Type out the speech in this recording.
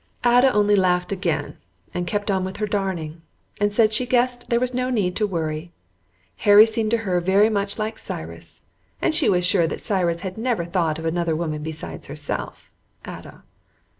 Ada only laughed again, and kept on with her darning, and said she guessed there was no need to worry. Harry seemed to her very much like Cyrus, and she was sure that Cyrus had never thought of another woman besides herself (Ada).